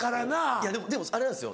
いやでもあれなんですよ。